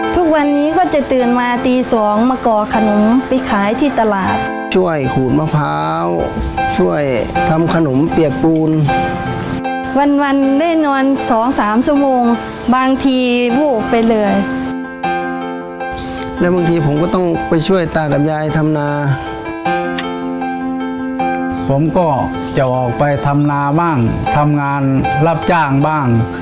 ทุกวันนี้ก็จะตื่นมาตีสองมาก่อขนมไปขายที่ตลาดช่วยขูดมะพร้าวช่วยทำขนมเปียกปูนวันวันแน่นอนสองสามชั่วโมงบางทีวูบไปเลยแล้วบางทีผมก็ต้องไปช่วยตากับยายทำนาผมก็จะออกไปทำนาบ้างทำงานรับจ้างบ้าง